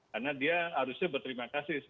karena dia harusnya berterima kasih